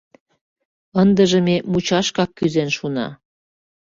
Ындыже ме мучашкак кӱзен шуна.